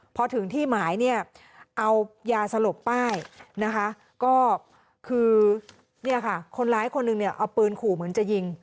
พอถึงที่หมายเอายาสลบป้ายก็คือคนร้ายคนหนึ่งเอาปืนขู่เหมือนจะยิง